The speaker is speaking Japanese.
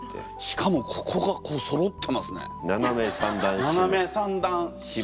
しかもここがこうそろってますね。